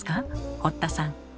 堀田さん。